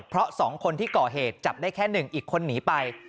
เพราะ๒คนที่ก่อเหตุจับได้แค่๑อีกคนหนีไป